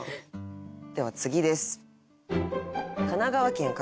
では次です。